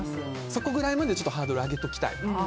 そこぐらいまでハードルは上げておきたい。